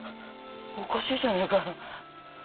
おかしいじゃねえか。